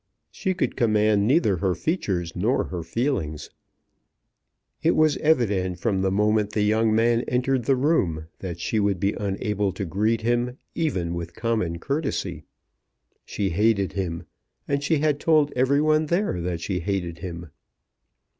She could command neither her features nor her feelings. It was evident from the moment the young man entered the room, that she would be unable to greet him even with common courtesy. She hated him, and she had told every one there that she hated him.